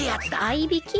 合いびき？